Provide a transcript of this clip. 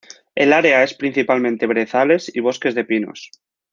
El área es principalmente brezales y bosques de pinos.